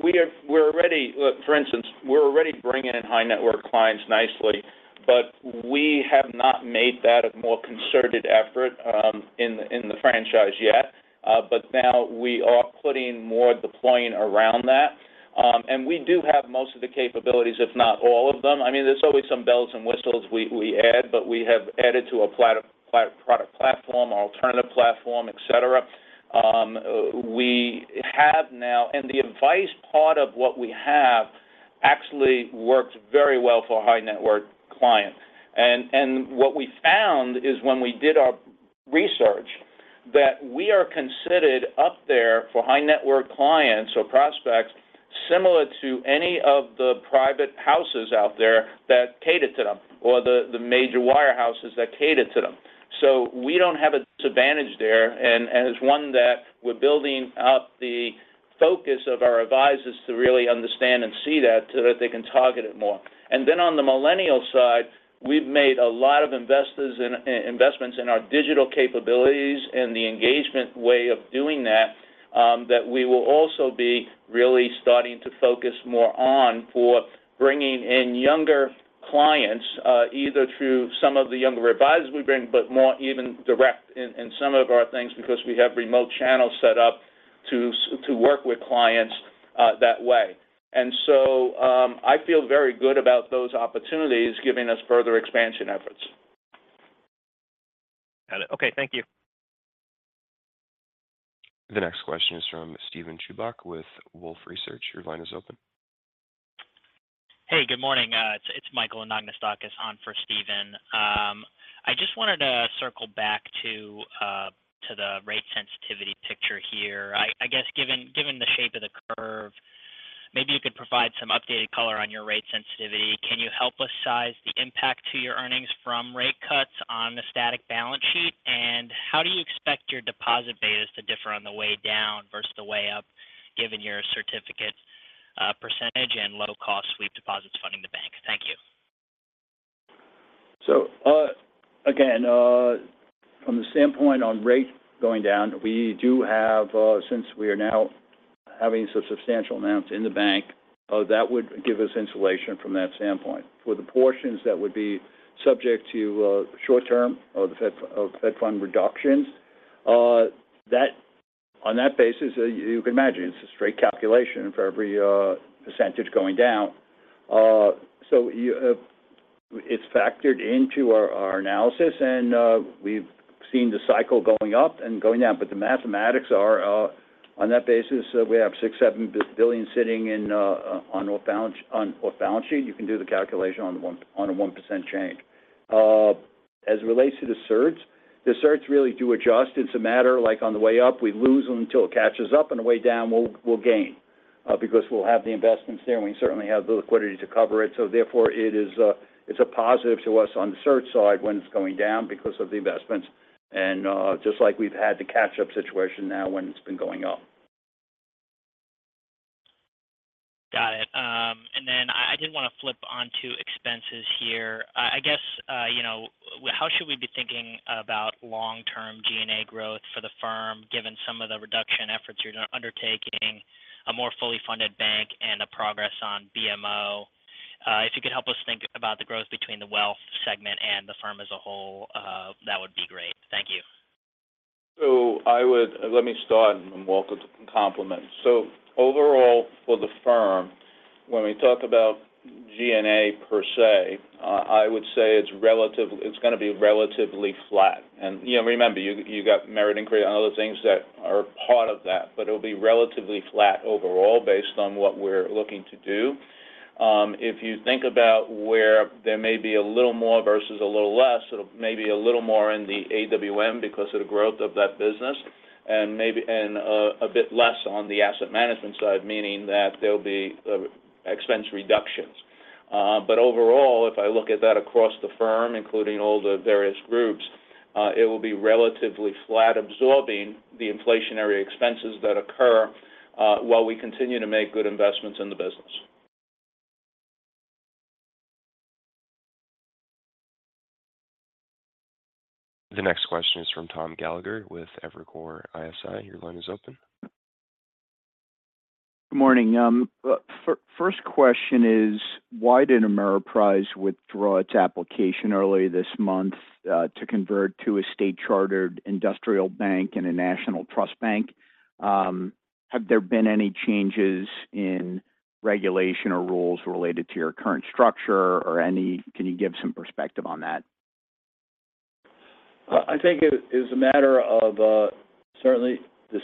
Speaker 3: We're already Look, for instance, we're already bringing in high net worth clients nicely, but we have not made that a more concerted effort in the franchise yet. But now we are putting more deploying around that. We do have most of the capabilities, if not all of them. I mean, there's always some bells and whistles we add, but we have added to a product platform, alternative platform, et cetera. The advice part of what we have actually works very well for a high net worth client. What we found is when we did our research, that we are considered up there for high net worth clients or prospects, similar to any of the private houses out there that cater to them or the major wirehouses that cater to them. We don't have a disadvantage there, and it's one that we're building up the focus of our advisors to really understand and see that so that they can target it more. On the millennial side, we've made a lot of investments in our digital capabilities and the engagement way of doing that, that we will also be really starting to focus more on for bringing in younger clients, either through some of the younger advisors we bring, but more even direct in, in some of our things, because we have remote channels set up to work with clients, that way. I feel very good about those opportunities giving us further expansion efforts.
Speaker 8: Got it. Okay, thank you.
Speaker 1: The next question is from Steven Chubak with Wolfe Research. Your line is open.
Speaker 9: Hey, good morning. It's Michael Anagnostakis on for Steven. I just wanted to circle back to the rate sensitivity picture here. I guess, given the shape of the curve, maybe you could provide some updated color on your rate sensitivity. Can you help us size the impact to your earnings from rate cuts on the static balance sheet? How do you expect your deposit betas to differ on the way down versus the way up, given your certificate percentage and low-cost sweep deposits funding the bank? Thank you.
Speaker 4: Again, from the standpoint on rates going down, we do have, since we are now having some substantial amounts in the bank, that would give us insulation from that standpoint. For the portions that would be subject to short term or the Fed Fund reductions, on that basis, you can imagine it's a straight calculation for every percentage going down. You, it's factored into our analysis, and we've seen the cycle going up and going down. The mathematics are on that basis, we have $6 billion–$7 billion sitting in on our balance sheet. You can do the calculation on a 1% change. As it relates to the certs, the certs really do adjust. It's a matter like on the way up, we lose them until it catches up, and the way down, we'll gain because we'll have the investments there, and we certainly have the liquidity to cover it. Therefore, it's a positive to us on the cert side when it's going down because of the investments, and just like we've had the catch-up situation now when it's been going up.
Speaker 9: Got it. I did want to flip on to expenses here. I guess, you know, how should we be thinking about long-term G&A growth for the firm, given some of the reduction efforts you're undertaking, a more fully funded bank, and a progress on BMO? If you could help us think about the growth between the wealth segment and the firm as a whole, that would be great. Thank you.
Speaker 3: Let me start, and then Walter can complement. Overall, for the firm, when we talk about G&A per se, I would say it's going to be relatively flat. you know, remember, you got merit increase and other things that are part of that, but it'll be relatively flat overall based on what we're looking to do. If you think about where there may be a little more versus a little less, it'll may be a little more in the AWM because of the growth of that business and maybe, and a bit less on the asset management side, meaning that there'll be expense reductions. Overall, if I look at that across the firm, including all the various groups, it will be relatively flat, absorbing the inflationary expenses that occur, while we continue to make good investments in the business.
Speaker 1: The next question is from Thomas Gallagher with Evercore ISI. Your line is open.
Speaker 10: Good morning. First question is, why did Ameriprise withdraw its application earlier this month, to convert to a state-chartered industrial bank and a national trust bank? Have there been any changes in regulation or rules related to your current structure or Can you give some perspective on that?
Speaker 4: I think it is a matter of certainly the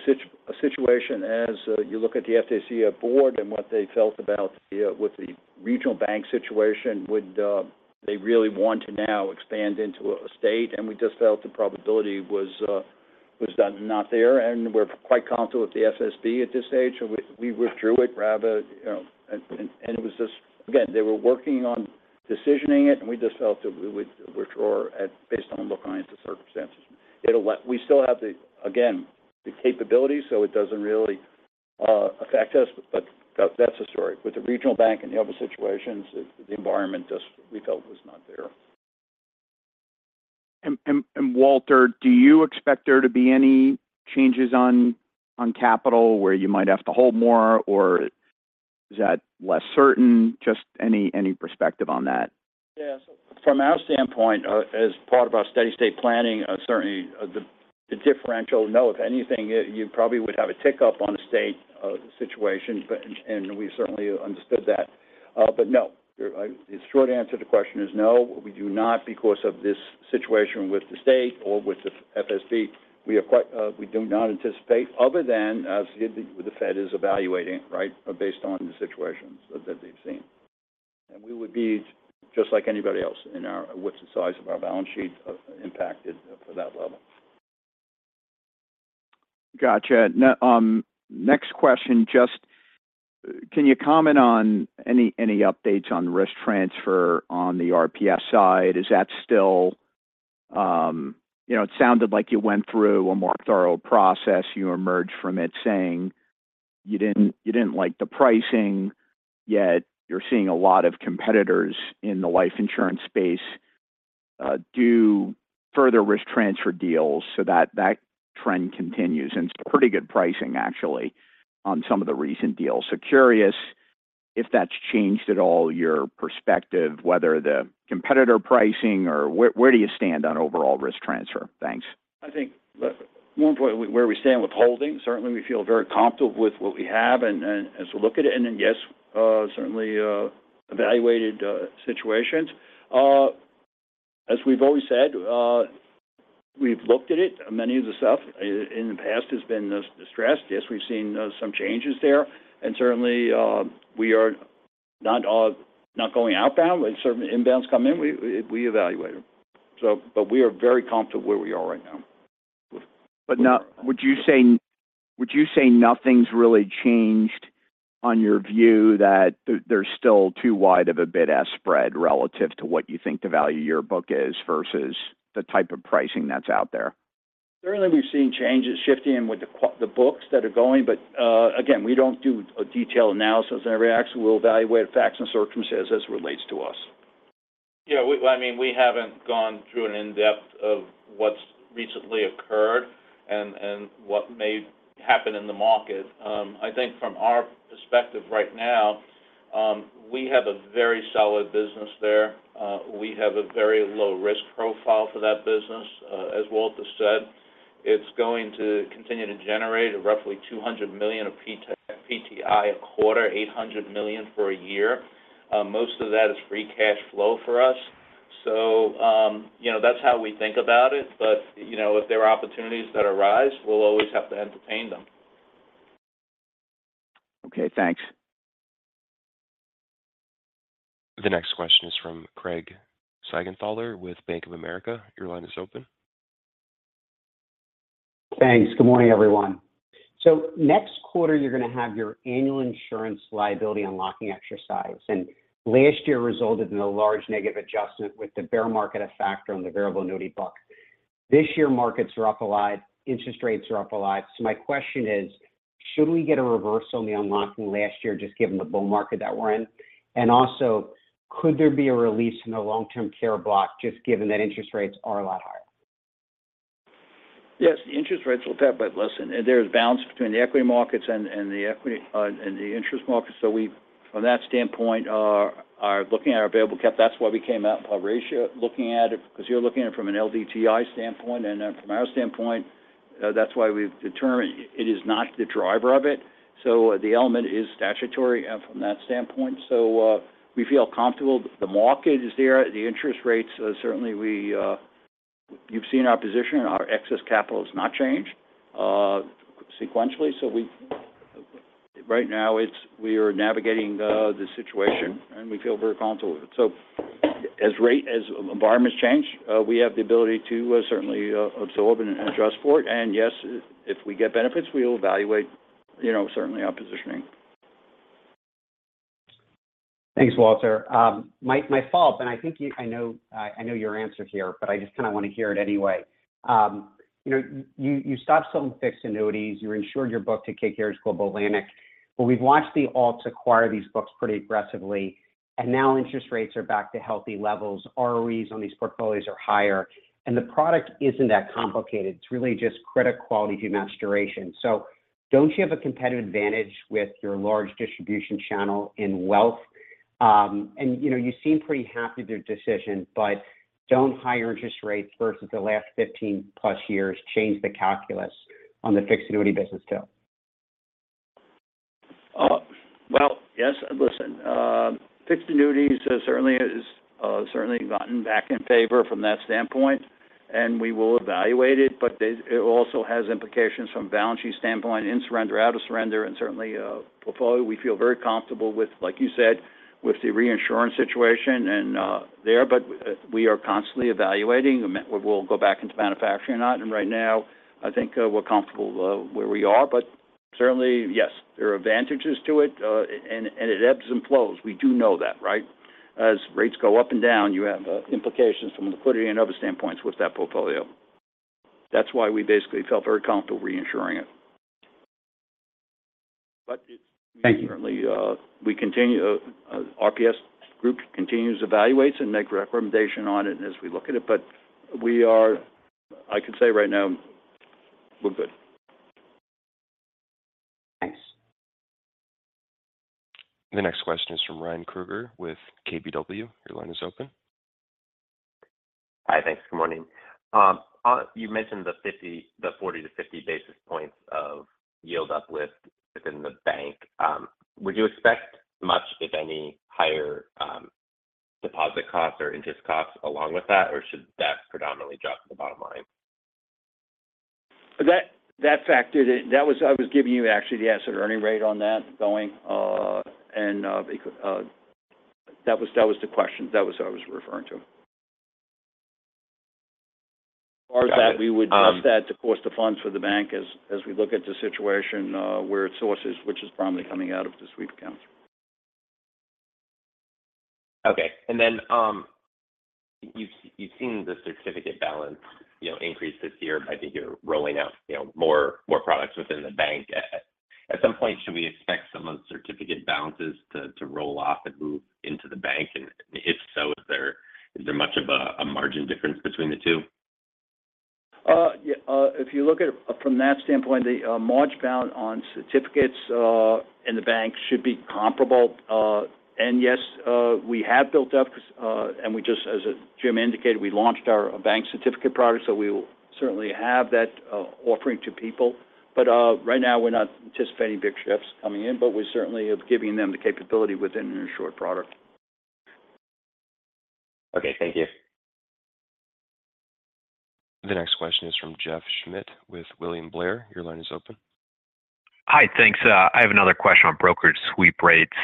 Speaker 4: situation as you look at the FDIC board and what they felt about the with the regional bank situation, would they really want to now expand into a state? We just felt the probability was not there. We're quite comfortable with the FDIC at this stage. We withdrew it rather, you know, and it was just. Again, they were working on decisioning it, and we just felt that we would withdraw based on the clients and circumstances. We still have the, again, the capabilities, so it doesn't really affect us, but that's the story. With the regional bank and the other situations, the environment just we felt was not there.
Speaker 10: Walter, do you expect there to be any changes on capital, where you might have to hold more, or is that less certain? Just any perspective on that?
Speaker 4: Yeah. From our standpoint, as part of our steady state planning, certainly, the differential, no. If anything, you probably would have a tick up on the state situation, but and we certainly understood that. No, the short answer to the question is no. We do not because of this situation with the state or with the FDIC. We do not anticipate, other than as the Fed is evaluating, right? Based on the situations that they've seen. We would be just like anybody else in what's the size of our balance sheet, impacted for that level.
Speaker 10: Gotcha. Now, next question: Just can you comment on any updates on risk transfer on the RPS side? Is that still? You know, it sounded like you went through a more thorough process. You emerged from it saying you didn't like the pricing, yet you're seeing a lot of competitors in the life insurance space do further risk transfer deals. That trend continues, and it's pretty good pricing, actually, on some of the recent deals. Curious if that's changed at all your perspective, whether the competitor pricing or where do you stand on overall risk transfer? Thanks.
Speaker 4: I think, look, more importantly, where we stand with holding, certainly we feel very comfortable with what we have and as we look at it. Then yes, certainly, evaluated situations. As we've always said, we've looked at it. Many of the stuff in the past has been distressed. Yes, we've seen some changes there, and certainly, we are not not going outbound, but certainly inbounds come in, we evaluate them. We are very comfortable where we are right now.
Speaker 10: Now, would you say nothing's really changed on your view that there's still too wide of a bid-ask spread relative to what you think the value of your book is versus the type of pricing that's out there?
Speaker 4: Certainly, we've seen changes shifting with the books that are going, but, again, we don't do a detailed analysis on every action. We'll evaluate facts and circumstances as it relates to us.
Speaker 3: Yeah, I mean, we haven't gone through an in-depth of what's recently occurred and what may happen in the market. I think from our perspective right now, we have a very solid business there. We have a very low risk profile for that business. As Walter said, it's going to continue to generate roughly $200 million of PTI a quarter, $800 million for a year. Most of that is free cash flow for us. You know, that's how we think about it. You know, if there are opportunities that arise, we'll always have to entertain them.
Speaker 10: Okay, thanks.
Speaker 1: The next question is from Craig Siegenthaler with Bank of America. Your line is open.
Speaker 11: Thanks. Good morning, everyone. Next quarter, you're going to have your annual insurance liability unlocking exercise, and last year resulted in a large negative adjustment with the bear market effect on the variable annuity book. This year, markets are up a lot, interest rates are up a lot. My question is: Should we get a reversal on the unlocking last year, just given the bull market that we're in? Also, could there be a release in the long-term care block, just given that interest rates are a lot higher?
Speaker 4: Yes, the interest rates will have, listen, there's balance between the equity markets and the equity and the interest markets. We, from that standpoint, are looking at our available cap. That's why we came out with a ratio, looking at it, because you're looking at it from an LDTI standpoint, from our standpoint, that's why we've determined it is not the driver of it. The element is statutory from that standpoint. We feel comfortable. The market is there, the interest rates, certainly we. You've seen our position, our excess capital has not changed sequentially. Right now, we are navigating the situation, and we feel very comfortable with it. As environments change, we have the ability to certainly absorb and adjust for it. Yes, if we get benefits, we will evaluate, you know, certainly our positioning.
Speaker 11: Thanks, Walter. my, my fault, and I know your answer here, but I just kind of want to hear it anyway. you know, you, you stopped selling fixed annuities. You insured your book to KKR's Global Atlantic. We've watched the alts acquire these books pretty aggressively, and now interest rates are back to healthy levels. ROEs on these portfolios are higher, and the product isn't that complicated. It's really just credit quality, duration. Don't you have a competitive advantage with your large distribution channel in wealth? you know, you seem pretty happy with your decision, but don't higher interest rates versus the last 15+ years change the calculus on the fixed annuity business too?
Speaker 4: Well, yes. Listen, fixed annuities certainly is certainly gotten back in favor from that standpoint, and we will evaluate it, but it also has implications from a balance sheet standpoint, in surrender, out of surrender, and certainly, portfolio. We feel very comfortable with, like you said, with the reinsurance situation and there, but we are constantly evaluating whether we'll go back into manufacturing or not. Right now, I think we're comfortable where we are, but... Certainly, yes, there are advantages to it, and it ebbs and flows. We do know that, right? As rates go up and down, you have implications from liquidity and other standpoints with that portfolio. That's why we basically felt very comfortable reinsuring it. It's...
Speaker 12: Thank you.
Speaker 4: Currently, RPS continues, evaluates, and make recommendation on it as we look at it, but I can say right now we're good.
Speaker 12: Thanks.
Speaker 1: The next question is from Ryan Krueger with KBW. Your line is open.
Speaker 12: Hi, thanks. Good morning. You mentioned the 40–50 basis points of yield uplift within the bank. Would you expect much, if any, higher, deposit costs or interest costs along with that? Should that predominantly drop to the bottom line?
Speaker 4: That factor, I was giving you actually the asset earning rate on that going, and because, that was the question. That was what I was referring to.
Speaker 12: Got it.
Speaker 4: That we would adjust that to course the funds for the bank as we look at the situation, where it sources, which is primarily coming out of the sweep account.
Speaker 12: Okay. Then you've seen the certificate balance, you know, increase this year. I think you're rolling out, you know, more products within the bank. At some point, should we expect some of the certificate balances to roll off and move into the bank? If so, is there much of a margin difference between the two?
Speaker 4: Yeah, if you look at it from that standpoint, the margin balance on certificates in the bank should be comparable. Yes, we have built up because, and we just, as Jim indicated, we launched our bank certificate product, we will certainly have that offering to people. Right now we're not anticipating big shifts coming in, but we certainly are giving them the capability within an insured product.
Speaker 12: Okay, thank you.
Speaker 1: The next question is from Jeff Schmitt with William Blair. Your line is open.
Speaker 13: Hi, thanks. I have another question on brokerage sweep rates.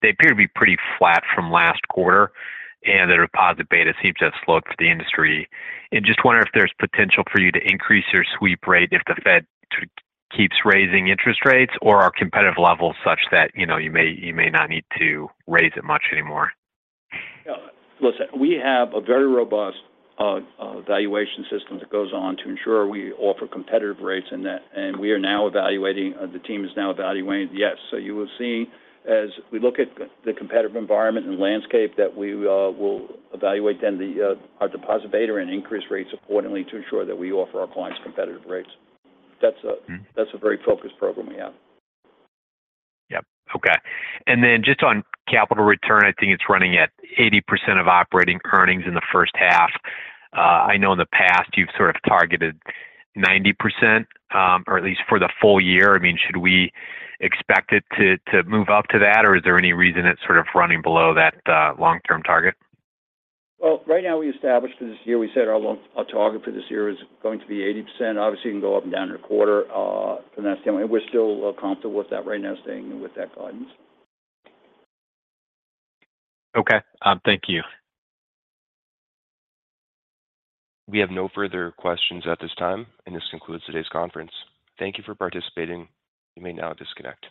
Speaker 13: They appear to be pretty flat from last quarter, and the deposit beta seems to have slowed for the industry. I just wonder if there's potential for you to increase your sweep rate if the Fed keeps raising interest rates, or are competitive levels such that, you know, you may not need to raise it much anymore?
Speaker 4: Listen, we have a very robust evaluation system that goes on to ensure we offer competitive rates. The team is now evaluating. Yes, you will see, as we look at the competitive environment and landscape, that we will evaluate then our deposit beta and increase rates accordingly to ensure that we offer our clients competitive rates.
Speaker 13: Mm-hmm.
Speaker 4: That's a very focused program we have.
Speaker 13: Yep. Okay. Then just on capital return, I think it's running at 80% of operating earnings in the first half. I know in the past you've sort of targeted 90%, or at least for the full year. I mean, should we expect it to move up to that, or is there any reason it's sort of running below that long-term target?
Speaker 4: Well, right now we established for this year, we said our target for this year is going to be 80%. Obviously, it can go up and down in a quarter, from that standpoint. We're still comfortable with that right now, staying with that guidance.
Speaker 13: Thank you.
Speaker 1: We have no further questions at this time, and this concludes today's conference. Thank you for participating. You may now disconnect.